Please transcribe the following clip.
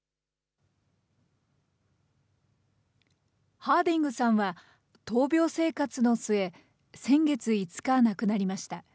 ハーディングさんは、闘病生活の末、先月５日、亡くなりました。